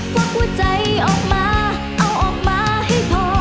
วักหัวใจออกมาเอาออกมาให้พอ